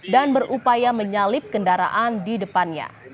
dan berupaya menyalip kendaraan di depannya